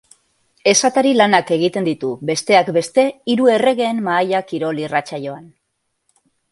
Esatari lanak egiten ditu, besteak beste, Hiru Erregeen Mahaia kirol-irratsaioan.